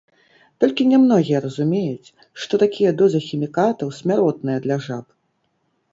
Толькі нямногія разумеюць, што такія дозы хімікатаў смяротныя для жаб.